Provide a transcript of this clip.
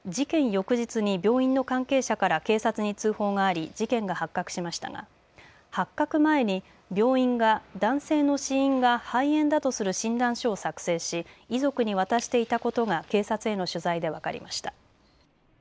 翌日に病院の関係者から警察に通報があり事件が発覚しましたが発覚前に病院が男性の死因が肺炎だとする診断書を作成し遺族に渡していたことが警察への取材で分かりました。